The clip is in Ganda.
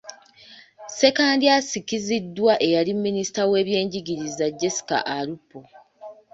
Ssekandi asikiziddwa eyali minisita w’ebyenjigiriza, Jessica Alupo.